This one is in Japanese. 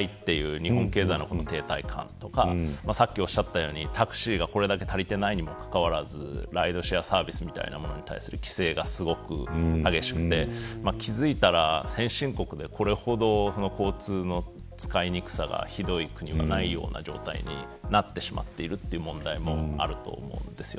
つまり人が足りないように見えるのになかなか時給とか給料上げづらいという日本経済の停滞感とかさっきおっしゃってようにタクシーがこれだけ足りていないにもかかわらずライドシェアサービスみたいなものの規制が激しくて気付いたら、先進国でこれほど交通の使いにくさがひどい国はないような状態になってしまっているという問題もあると思うんです。